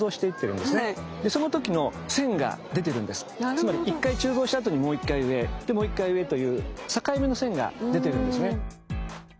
つまり一回鋳造したあとにもう一回上もう一回上という境目の線が出てるんですね。